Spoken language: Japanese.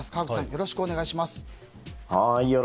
よろしくお願いします。